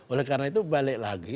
oleh karena itu balik lagi